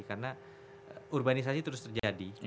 karena urbanisasi terus terjadi